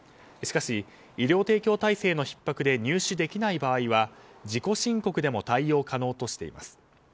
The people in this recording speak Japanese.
しかし医療提供体制のひっ迫で入試できない場合は自己申告でも対応可能としています。